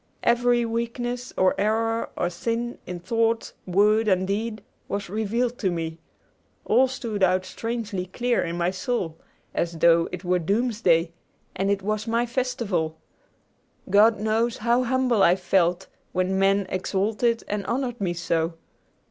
Every weakness or error or sin, in thought, word, and deed, was revealed to me. All stood out strangely clear in my soul, as though it were doomsday and it was my festival. God knows how humble I felt when men exalted and honored me so.